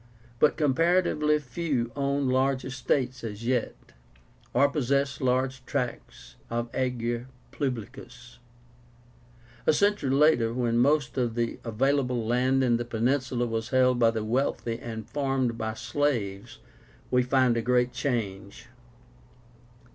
But comparatively few owned large estates as yet, or possessed large tracts of the Ager Publicus. A century later, when most of the available land in the peninsula was held by the wealthy and farmed by slaves, we find a great change.